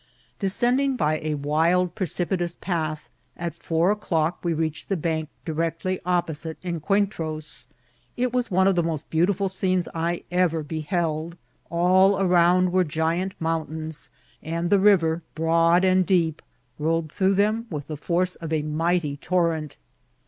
Descending by a wild, precipitous path, at four o'clock we reached the bank directly opposite Encuentros* It was one of the most beautiful scenes I ever beheld : all around were giant mountains, and the river, broad and deep, rolled through them with the force of a mighty torrent.